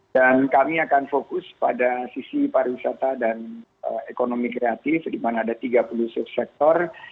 dan kami akan fokus pada sisi para wisata dan ekonomi kreatif di mana ada tiga puluh subsektor